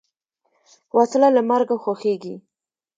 وسله له مرګه خوښیږي